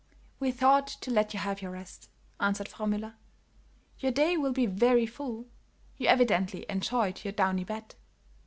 "We thought to let you have your rest," answered Frau Müller. "Your day will be very full. You evidently enjoyed your downy bed."